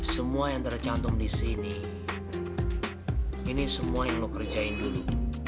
semua yang tercantum di sini ini semua yang lo kerjain dulu